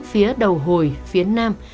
phía đầu hồi phía nam